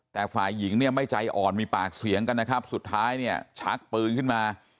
แต่ฝ่ายหญิงเนี่ยไม่ใจอ่อนมีปากเสียงกันนะครับสุดท้ายเนี่ยชักปืนขึ้นมา